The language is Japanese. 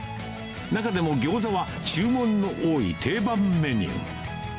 中でもギョーザは注文の多い定番メニュー。